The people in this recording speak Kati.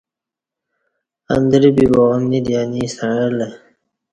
اندرہ بِبیا امنی دی انی ستݩع الہ